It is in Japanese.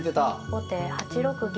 後手８六銀。